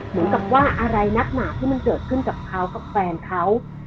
เหมือนกับว่าอะไรนักหนาที่มันเกิดขึ้นกับเขากับแฟนเขา